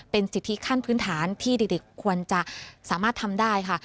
เป็นสิทธิขั้นพื้นฐานที่เด็กควรจะสามารถทำได้ค่ะ